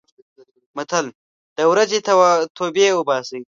متل: د ورځې توبې اوباسي.